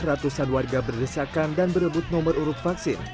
ratusan warga berdesakan dan berebut nomor urut vaksin